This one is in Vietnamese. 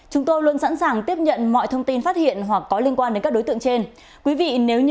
chúng tôi luôn sẵn sàng tiếp nhận mọi thông tin phát hiện hoặc có liên quan đến các đối tượng trên